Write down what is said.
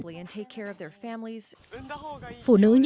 phụ nữ nhật bản